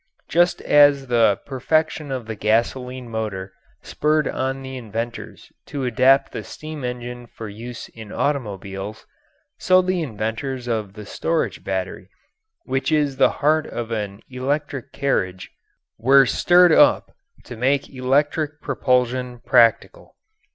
Just as the perfection of the gasoline motor spurred on the inventors to adapt the steam engine for use in automobiles, so the inventors of the storage battery, which is the heart of an electric carriage, were stirred up to make electric propulsion practical.